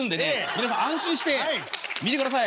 皆さん安心して見てください。